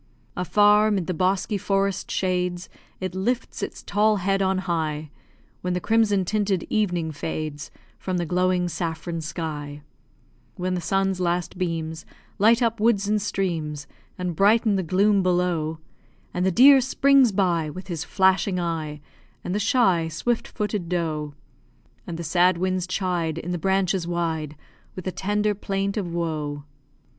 Afar, 'mid the bosky forest shades, It lifts its tall head on high; When the crimson tinted evening fades From the glowing saffron sky; When the sun's last beams Light up woods and streams, And brighten the gloom below; And the deer springs by With his flashing eye, And the shy, swift footed doe; And the sad winds chide In the branches wide, With a tender plaint of woe.